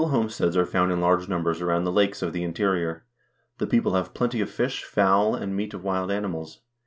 THE COUNTRY AND ITS RESOURCES 5 steads are found in large numbers around the lakes of the interior. The people have plenty of fish, fowl, and meat of wild animals.